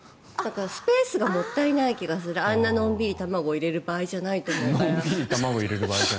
スペースがもったいない気がするあんなのんびり卵を入れる場合じゃない。